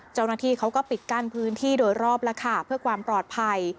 เจ้าหน้าที่เขาก็ปิดกั้นพื้นที่โดยรอบแล้วค่ะเพื่อความปลอดภัย